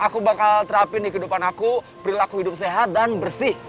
aku bakal terapin di kehidupan aku perilaku hidup sehat dan bersih